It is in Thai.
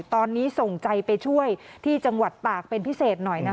ตอนนี้ส่งใจไปช่วยที่จังหวัดตากเป็นพิเศษหน่อยนะคะ